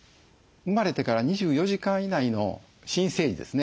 生まれてから２４時間以内の新生児ですね